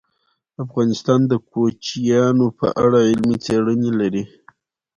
افغانستان د کوچیانو په اړه علمي څېړنې لري.